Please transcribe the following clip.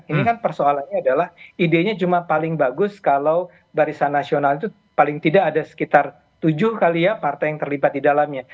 ini kan persoalannya adalah idenya cuma paling bagus kalau barisan nasional itu paling tidak ada sekitar tujuh kali ya partai yang terlibat di dalamnya